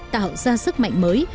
tạo ra sức mạnh mới